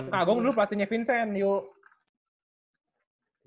kak agung dulu pelatihnya vincent yuk